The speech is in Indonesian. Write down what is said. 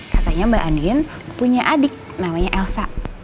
katanya mbak andin punya adik namanya elsa